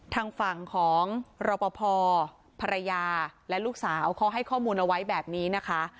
ทางฝั่งของรอปภภรรยาและลูกสาวเขาให้ข้อมูลเอาไว้แบบนี้นะคะ